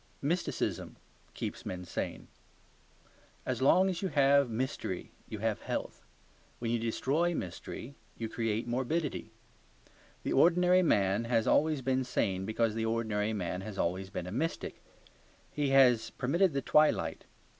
Mysticism keeps men sane. As long as you have mystery you have health; when you destroy mystery you create morbidity. The ordinary man has always been sane because the ordinary man has always been a mystic. He has permitted the twilight.